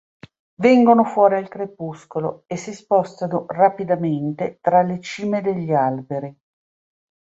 Vengono fuori al crepuscolo e si spostano rapidamente tra le cime degli alberi.